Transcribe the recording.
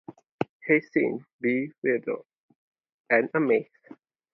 He seemed bewildered and amazed.